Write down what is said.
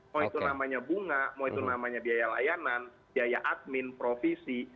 mau itu namanya bunga mau itu namanya biaya layanan biaya admin provisi